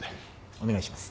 お願いします。